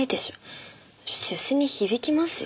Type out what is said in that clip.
出世に響きますよ？